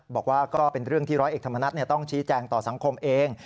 บอกว่าก็เป็นเรื่องที่ร้อยเอกธรรมนัฐต้องชี้แจงต่อสังคมเอง